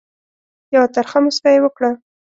یوه ترخه مُسکا یې وکړه.